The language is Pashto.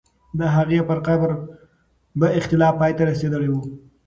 د هغې پر قبر به اختلاف پای ته رسېدلی وو.